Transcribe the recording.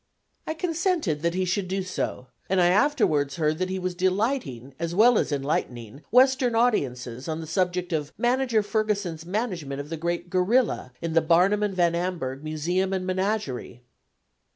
I consented that he should do so, and I afterwards heard that he was delighting as well as enlightening western audiences on the subject of Manager Ferguson's management of the great "gorilla" in the Barnum and Van Amburgh Museum and Menagerie.